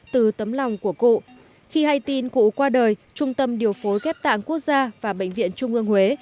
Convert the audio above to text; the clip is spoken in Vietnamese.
từ tấm lòng của cụ khi hay tin cụ qua đời trung tâm điều phối ghép tạng quốc gia và bệnh viện trung ương huế